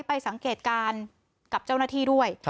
สังเกตการณ์กับเจ้าหน้าที่ด้วย